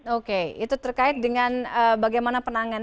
oke itu terkait dengan bagaimana penanganan